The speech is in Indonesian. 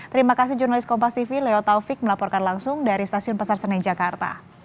terima kasih jurnalis kompas tv leo taufik melaporkan langsung dari stasiun pasar senen jakarta